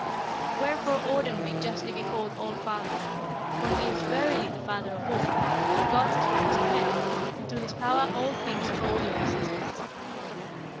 Wherefore Odin may justly be called All father, for he is verily the father of all, of gods as well as of men, and to his power all things owe their existence.